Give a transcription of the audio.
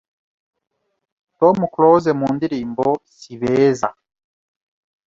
Tom Close mundirimbo Si beza